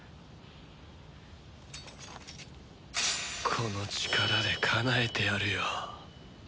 この力でかなえてやるよ。